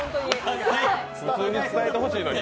普通に伝えてほしいのに。